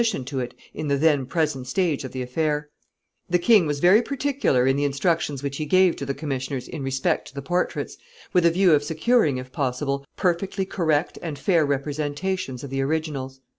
] The king was very particular in the instructions which he gave to the commissioners in respect to the portraits, with a view of securing, if possible, perfectly correct and fair representations of the originals.